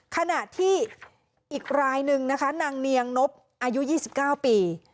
ขณะที่อีกรายนึงนะคะนางเนียงนบอายุ๒๙ปี